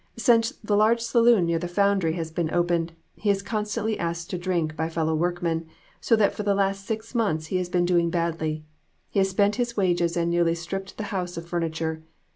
Since the large saloon near the foundry has been opened, he is constantly asked to drink, by fellow workmen, so that for the last six months he has been doing badly. He has spent his wages and nearly stripped the house of furniture.